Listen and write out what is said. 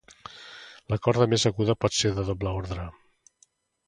La corda més aguda pot ser de doble ordre.